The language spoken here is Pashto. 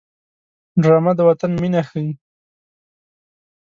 ډرامه د وطن مینه ښيي